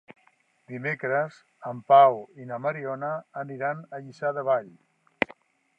Dimecres en Pau i na Mariona aniran a Lliçà de Vall.